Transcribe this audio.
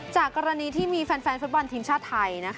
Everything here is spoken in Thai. จากกรณีที่มีแฟนฟุตบอลทีมชาติไทย